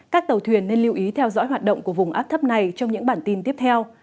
các tàu thuyền nên lưu ý theo dõi hoạt động của vùng áp thấp này trong những bản tin tiếp theo